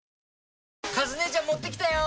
カズ姉ちゃん持ってきたよ！